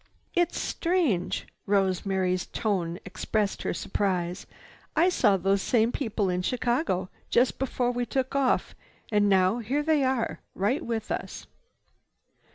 "It's strange!" Rosemary's tone expressed her surprise. "I saw those same people in Chicago, just before we took off. And now, here they are right with us."